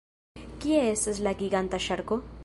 Kie estas la giganta ŝarko?